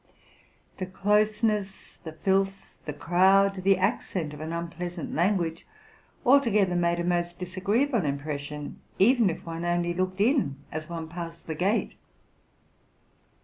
The closeness, the filth, the crowd, the accent of an unpleasant language, altogether made a most disagree able impression, even if one only looked in as one ps issedl the gate.